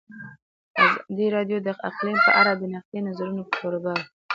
ازادي راډیو د اقلیم په اړه د نقدي نظرونو کوربه وه.